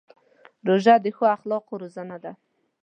روژه د ښو اخلاقو روزنه ده.